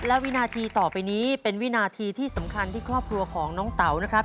และวินาทีต่อไปนี้เป็นวินาทีที่สำคัญที่ครอบครัวของน้องเต๋านะครับ